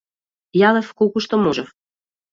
Јадев колку што можев.